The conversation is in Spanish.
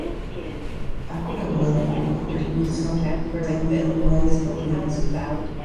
Ha colaborado con Robert Wilson, Damien Rice y Prince.